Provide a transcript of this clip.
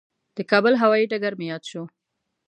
د کابل هوایي ډګر مې یاد شو.